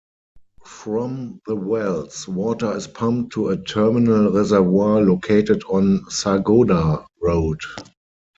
From the wells, water is pumped to a terminal reservoir located on Sargodha Road.